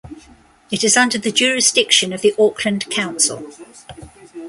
It is under the jurisdiction of the Auckland Council.